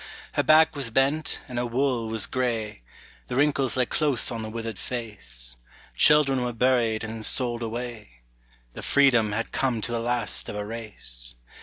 Her back was bent and her wool was gray; The wrinkles lay close on the withered face; Children were buried and sold away, The Freedom had come to the last of a race!